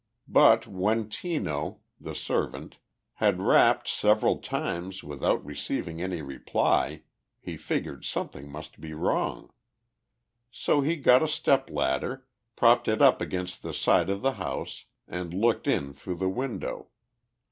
But when Tino, the servant, had rapped several times without receiving any reply, he figured something must be wrong. So he got a stepladder, propped it up against the side of the house, and looked in through the window.